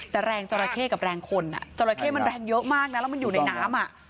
แต่แรงจราเข้กับแรงคนจราเข้มันแรงเยอะมากนะแล้วมันอยู่ในน้ำ